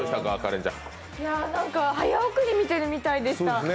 早送り見てるみたいでした。